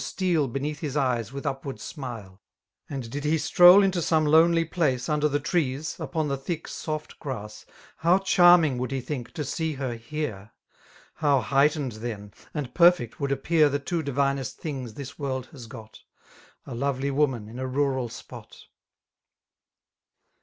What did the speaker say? steal beneath his eyes with upward smile: And did he stroll into some lonely place. Under the trees, upoo the thick soft giaaSft 58 How charming^^ would he think, to see her here ! How heightened then, and perfect would appear The two diviiiest things this world has got, A lovely woman in a rural spot